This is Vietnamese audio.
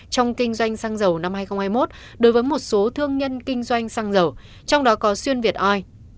trong kinh doanh xăng dầu năm hai nghìn hai mươi một đối với một số thương nhân kinh doanh xăng dầu trong đó có xuyên việt oi